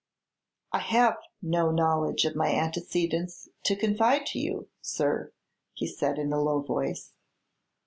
"I have no knowledge of my antecedents to confide to you, sir," he said in a low voice.